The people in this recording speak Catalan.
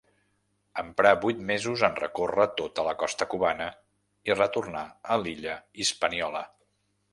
Emprà vuit mesos en recórrer tota la costa cubana i retornà a l'illa Hispaniola.